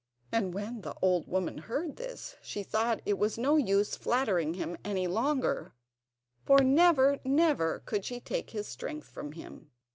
And when the old woman heard this, she thought it was no use flattering him any longer, for never, never, could she take his strength from him.